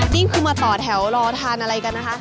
นี่คือมาต่อแถวรอทานอะไรกันนะคะ